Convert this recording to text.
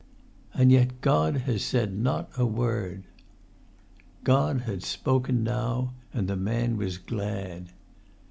"And yet God has not said a word!" [Pg 46]God had spoken now! And the man was glad.